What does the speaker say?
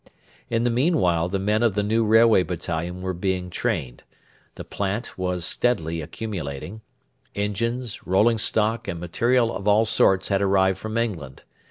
In the meanwhile the men of the new Railway Battalion were being trained; the plant was steadily accumulating; engines, rolling stock, and material of all sorts had arrived from England.